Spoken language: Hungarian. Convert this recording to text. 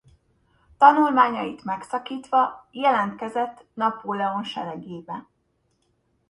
Tanulmányait megszakítva jelentkezett Napóleon seregébe.